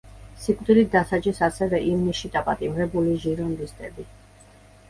სიკვდილით დასაჯეს ასევე ივნისში დაპატიმრებული ჟირონდისტები.